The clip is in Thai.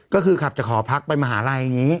ก็คือขับจากหอพักไปมหาลัยอย่างนี้